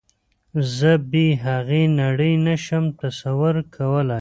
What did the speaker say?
زه بې هغې نړۍ نشم تصور کولی